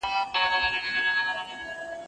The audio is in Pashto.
زه پاکوالي نه ساتم،